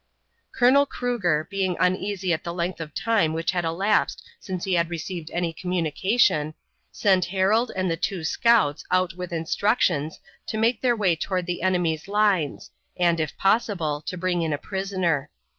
Colonel Cruger, being uneasy at the length of time which had elapsed since he had received any communication, sent Harold and the two scouts out with instructions to make their way toward the enemy's lines and, if possible, to bring in a prisoner.